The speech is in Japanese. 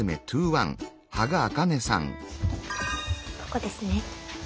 ここですね。